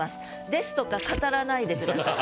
「です」とか語らないでください。